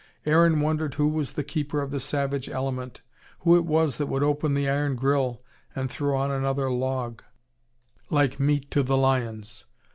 Aaron wondered who was the keeper of the savage element, who it was that would open the iron grille and throw on another log, like meat to the lions.